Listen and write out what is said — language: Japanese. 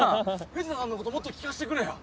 藤田さんのこともっと聞かしてくれよ！